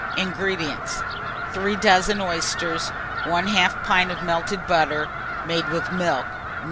INGREDIENTS. 3 dozen oysters, 1/2 pint of melted butter, made with milk, No.